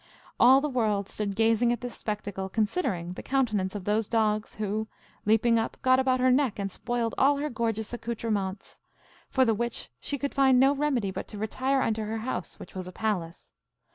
All the world stood gazing at this spectacle, considering the countenance of those dogs, who, leaping up, got about her neck and spoiled all her gorgeous accoutrements, for the which she could find no remedy but to retire unto her house, which was a palace.